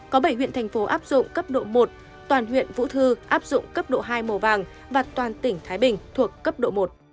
có bảy huyện thành phố áp dụng cấp độ một toàn huyện vũ thư áp dụng cấp độ hai màu vàng và toàn tỉnh thái bình thuộc cấp độ một